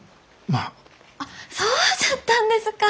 あっそうじゃったんですか。